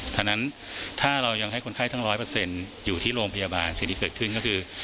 ฉะนั้นถ้าเรายังให้คนไข้ทั้ง๑๐๐อยู่ที่โรงพยาบาลสิ่งที่เกิดขึ้นก็คือ